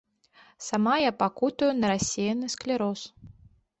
Сама я пакутую на рассеяны склероз.